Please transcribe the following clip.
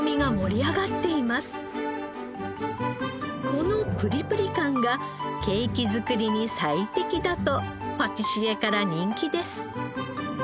このプリプリ感がケーキ作りに最適だとパティシエから人気です。